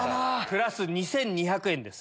プラス２２００円です。